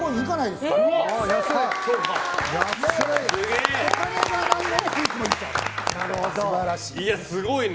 すごいね。